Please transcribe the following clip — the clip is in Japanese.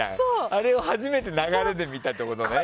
あれを初めて流れで見たってことね。